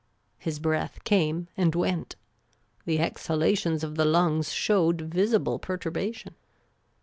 His breath came and went. The exhalations of the lungs showed visible perturbation.